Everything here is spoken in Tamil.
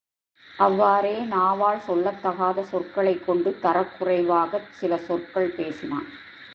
அவ்வாறே நாவால் சொல்லத்தகாத சொற்களைக் கொண்டு தரக்குறைவாகச் சில சொற்கள் பேசினான்.